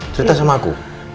cerita sama aku